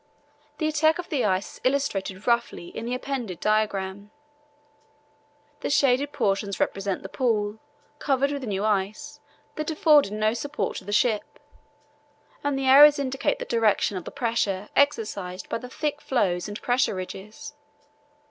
The attack of the ice is illustrated roughly in the appended diagram. The shaded portions represent the pool, covered with new ice that afforded no support to the ship, and the arrows indicate the direction of the pressure exercised by the thick floes and pressure ridges.